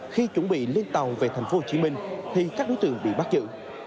khi chuẩn bị lên tàu về thành phố hồ chí minh thì các đối tượng bị bắt giữ